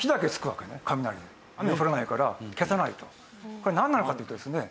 ところがこれなんなのかというとですね